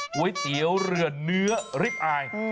ไก่เตี้ยวเรือเนื้อริ้วอาย